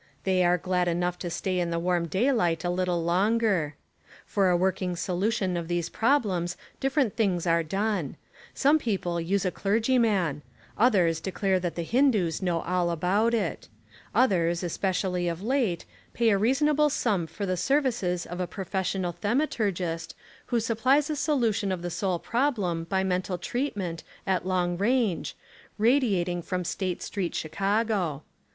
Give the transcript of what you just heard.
They are glad enough to stay in the warm daylight a little longer. For a working solution of these problems different things are done. Some people use a clergy man. Others declare that the Hindoos know all about it. Others, especially of late, pay a reasonable sum for the services of a profes sional thaumaturgist who supplies a solution of the soul problem by mental treatment at long range, radiating from State St., Chicago.